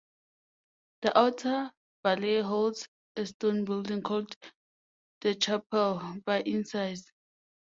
The outer bailey holds a stone building called "the chapel", by in size.